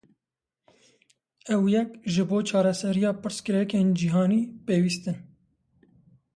Ew yek, ji bo çareseriya pirsgirêkên cîhanî pêwîst in.